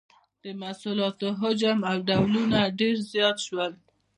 د محصولاتو حجم او ډولونه ډیر زیات شول.